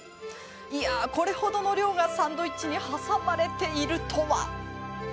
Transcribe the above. いやあ、これ程の量がサンドイッチに挟まれているとは。